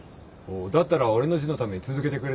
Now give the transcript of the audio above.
だったら俺の字のために続けてくれてもいいぞ。